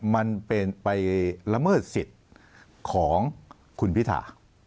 มันเป็นไปละเมิดสิทธิ์ของคุณพิธา